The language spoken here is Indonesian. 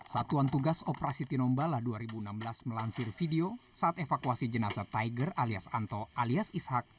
satuan tugas operasi tinombala dua ribu enam belas melansir video saat evakuasi jenazah tiger alias anto alias ishak